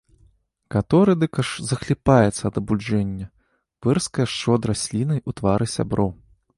Каторы дык аж захліпаецца ад абуджэння, пырскае шчодра слінай у твары сяброў.